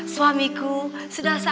suamiku sudah selesai